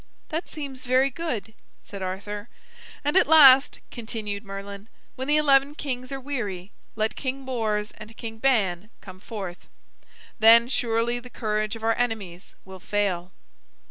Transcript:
"That seems very good," said Arthur. "And at last," continued Merlin, "when the eleven kings are weary, let King Bors and King Ban come forth. Then surely the courage of our enemies will fail."